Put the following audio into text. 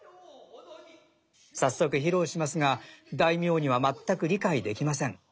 早速披露しますが大名には全く理解できません。